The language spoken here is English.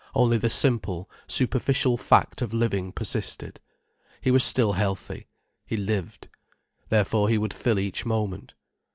Only the simple, superficial fact of living persisted. He was still healthy. He lived. Therefore he would fill each moment.